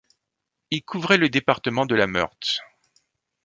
Il couvrait le département de la Meurthe.